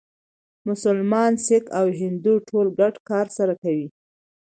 مسلمان، سیکه او هندو ټول ګډ کار سره کوي.